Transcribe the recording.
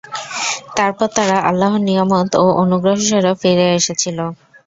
তারপর তারা আল্লাহর নিয়ামত ও অনুগ্রহসহ ফিরে এসেছিল।